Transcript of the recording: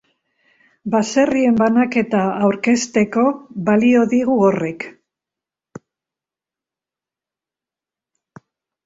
Baserrien banaketa aurkezteko balio digu horrek.